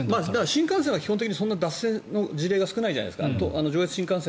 新幹線は基本的にそんな脱線の事例が少ないじゃないですか。